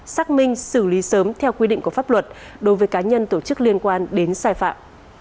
xác minh xử lý sớm theo quy định của pháp luật đối với cá nhân tổ chức liên quan đến sai phạm